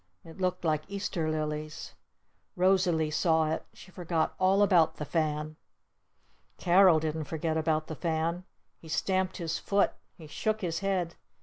It looked like Easter Lilies. Rosalee saw it. She forgot all about the fan. Carol didn't forget about the fan. He stamped his foot. He shook his head.